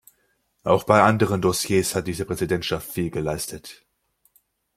Auch bei anderen Dossiers hat diese Präsidentschaft viel geleistet.